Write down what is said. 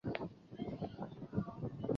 蒂永维勒人口变化图示